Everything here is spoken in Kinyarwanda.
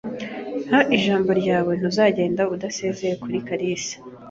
Mpa ijambo ryawe ntuzagenda utasezeye kuri kalisa.